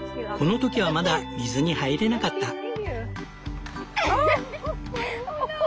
この時はまだ水に入れなかった。